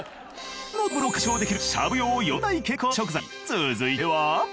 続いては。